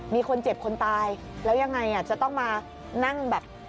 มีคนเจ็บคนตายแล้วยังไงจะต้องมานั่งแบบ